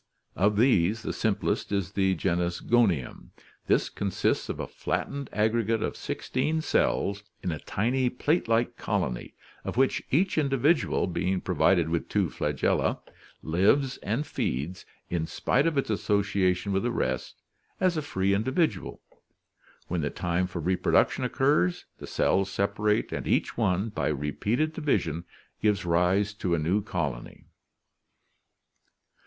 Of these the simplest is the genus Gonium (Fig. 35). This consists of a flattened aggregate of sixteen cells in a tiny plate like colony, of which each individual, be ing provided with two nagella, lives and feeds, in spite of its association with the rest, as a free individual. When the time for reproduction occurs, the cells sepa rate and each one, by repeated division, gives rise to a new colony.